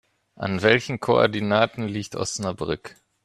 An welchen Koordinaten liegt Osnabrück?